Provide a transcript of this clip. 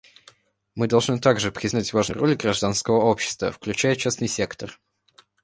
Мы должны также признать важную роль гражданского общества, включая частный сектор.